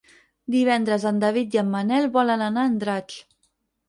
Divendres en David i en Manel volen anar a Andratx.